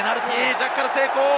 ジャッカル成功！